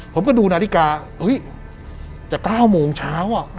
ผมก็ดูนาฬิกาอุ๊ยจะเก้าโมงเช้า